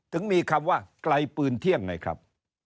ถึงมีคำว่าไกลปืนเที่ยงไงครับ